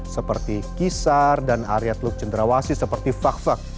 seperti kisar dan area teluk cendrawasi seperti fakfak